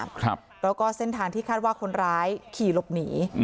แล้วก็เส้นทางที่คาดว่าคนร้ายขี่หลบหนี